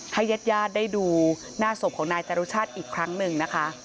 ญาติญาติได้ดูหน้าศพของนายจรุชาติอีกครั้งหนึ่งนะคะ